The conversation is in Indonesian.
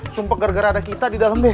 sumpah gara gara ada kita di dalam